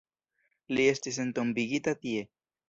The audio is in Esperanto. Li estis entombigita tie.